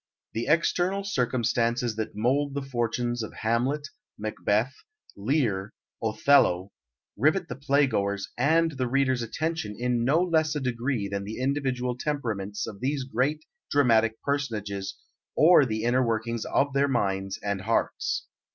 The external circumstances that mould the fortunes of Hamlet, Macbeth, Lear, Othello, rivet the playgoer's and the reader's attention in no less a degree than the individual temperaments of these great dramatic personages or the inner workings of their minds and hearts.